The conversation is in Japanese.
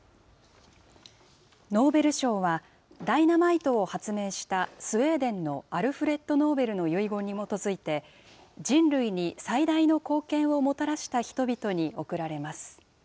ノーベル賞は、ダイナマイトを発明した、スウェーデンのアルフレッド・ノーベルの遺言に基づいて、人類に最大の貢献をもたらした人々に贈られます。